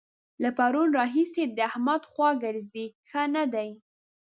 له پرونه راهسې د احمد خوا ګرځي؛ ښه نه دی.